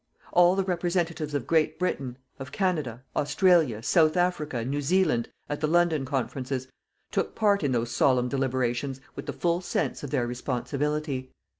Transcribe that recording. All the representatives of Great Britain, of Canada, Australia, South Africa, New Zealand, at the London conferences, took part in those solemn deliberations with the full sense of their responsibility.